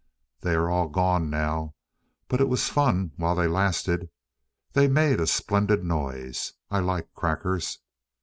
They are all gone now, but it was fun while they lasted. They made a splendid noise. I like crackers.